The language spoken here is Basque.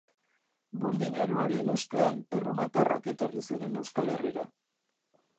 Burdin aroaren ostean erromatarrak etorri ziren Euskal Herrira.